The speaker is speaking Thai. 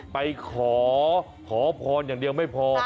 ไปขอขอพรอย่างเดียวไม่พอ